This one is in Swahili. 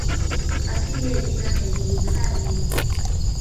Asili ya jina haijulikani.